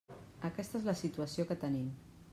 Aquesta és la situació que tenim.